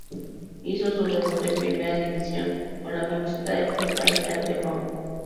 Hizo su debut en Primera división con la camiseta del Club Almirante Brown.